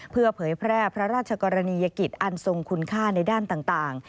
เพื่อเผยแพร่พระราชกรณียกิจอันทรงคุณค่าในด้านต่าง